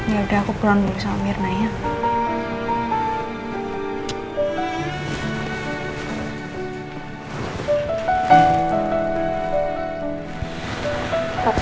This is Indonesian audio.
yaudah aku pulang dulu sama mirna ya